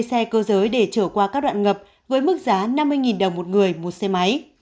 xe cơ giới để trở qua các đoạn ngập với mức giá năm mươi đồng một người một xe máy